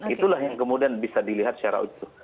itulah yang kemudian bisa dilihat secara utuh